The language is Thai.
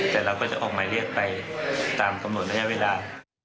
แต่เราก็จะออกหมายเรียกไปตามกำหนดระยะเวลา